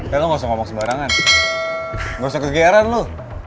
kalian gak usah ngomong sembarangan gak usah ke gr an lu